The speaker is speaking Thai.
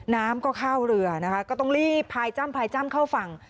น้ำก็เข้าเรือนะคะก็ต้องรีบพายจ้ำพายจ้ำเข้าฝั่ง